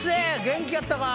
元気やったか？